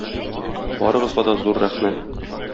Барыгызга да зур рәхмәт!